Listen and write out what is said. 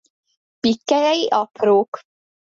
Pikkelyei aprók.